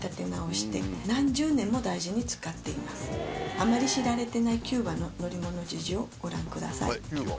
あまり知られてないキューバの乗り物事情をご覧ください。